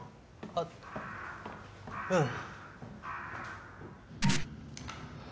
あっうん。